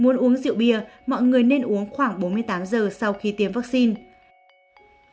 nếu muốn uống rượu bia mọi người nên uống khoảng bốn mươi tám giờ sau khi tiêm vaccine